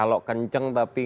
kalau kenceng tapi apresen